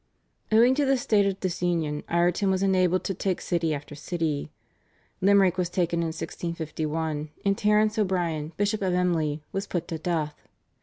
Owing to the state of disunion Ireton was enabled to take city after city. Limerick was taken in 1651, and Terence O'Brien, Bishop of Emly, was put to death.